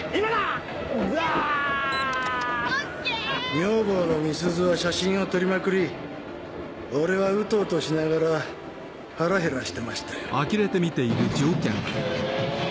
女房の美鈴は写真を撮りまくり俺はうとうとしながら腹減らしてましたよ。